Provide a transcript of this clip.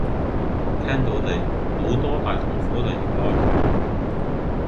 聽到你沒多大的痛苦離開